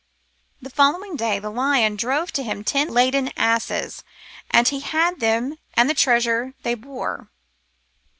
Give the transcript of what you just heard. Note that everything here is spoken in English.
The following day the lion drove to him ten laden asses, and he had them and the treasure they bore.